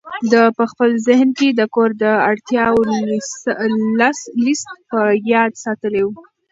ده په خپل ذهن کې د کور د اړتیاوو لست په یاد ساتلی و.